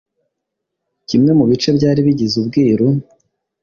kimwe mu bice byari bigize ubwiru,